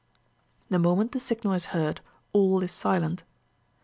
The moment the signal is heard, all is silent.